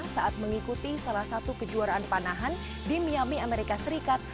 saat mengikuti salah satu kejuaraan panahan di miami amerika serikat